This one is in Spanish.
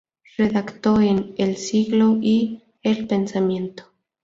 Redactó en "El Siglo" y "El Pensamiento".